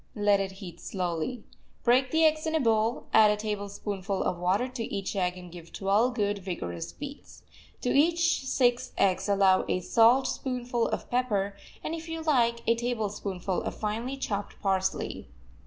Let it heat slowly. Break the eggs in a bowl, add a tablespoonful of water to each egg and give twelve good, vigorous beats. To each six eggs allow a saltspoonful of pepper, and, if you like, a tablespoonful of finely chopped parsley.